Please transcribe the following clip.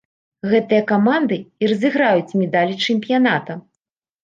Гэтыя каманды і разыграюць медалі чэмпіяната.